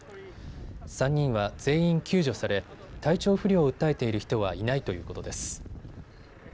３人は全員救助され、体調不良を訴えている人はいないということです。